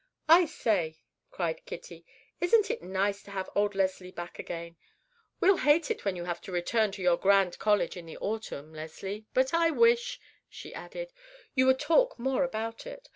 "I say," cried Kitty, "isn't it nice to have old Leslie back again? We'll hate it when you have to return to your grand college in the autumn, Leslie; but I wish," she added, "you would talk more about it.